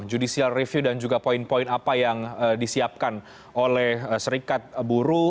judicial review dan juga poin poin apa yang disiapkan oleh serikat buruh